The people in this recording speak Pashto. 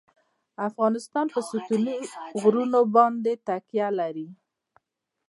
افغانستان په ستوني غرونه باندې تکیه لري.